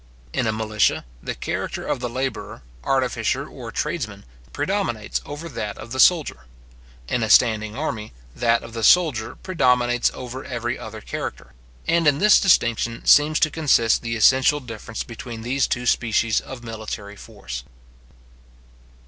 In a militia, the character of the labourer, artificer, or tradesman, predominates over that of the soldier; in a standing army, that of the soldier predominates over every other character; and in this distinction seems to consist the essential difference between those two different species of military force.